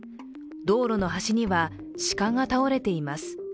道路の端には鹿が倒れています。